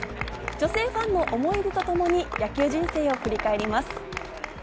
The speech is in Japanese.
女性ファンの思い出とともに野球人生を振り返ります。